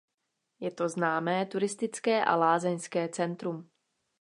Je to známé turistické a lázeňské centrum.